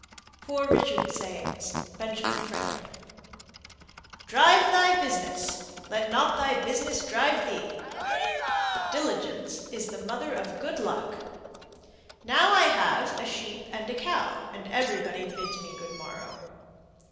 POOR RICHARD'S SAYINGS. (Benjamin Franklin.) Drive thy business! Let not thy business drive thee! Diligence is the mother of good luck. Now I have a sheep and a cow, everybody bids me good morrow.